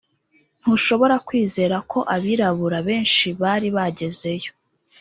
Ntushobora kwizera ko abirabura benshi bari bagezeyo